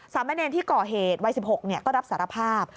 สามเณรที่ก่อเหตุวัย๑๖ก็รับสารภาพ